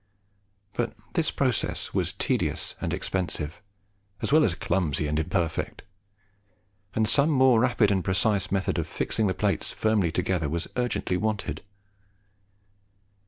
But this process was tedious and expensive, as well as clumsy and imperfect; and some more rapid and precise method of fixing the plates firmly together was urgently wanted.